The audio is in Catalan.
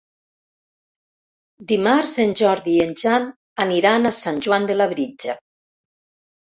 Dimarts en Jordi i en Jan aniran a Sant Joan de Labritja.